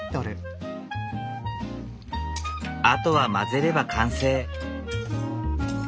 あとは混ぜれば完成。